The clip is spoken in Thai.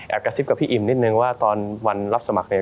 กระซิบกับพี่อิ่มนิดนึงว่าตอนวันรับสมัครเนี่ย